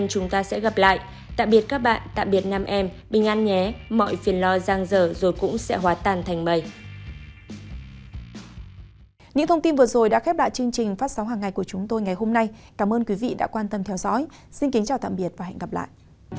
cảm ơn quý vị đã quan tâm theo dõi xin kính chào tạm biệt và hẹn gặp lại